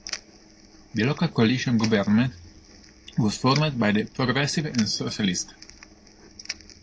The local coalition government was formed by the Progressives and the Socialists.